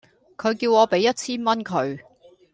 佢叫我畀一千蚊佢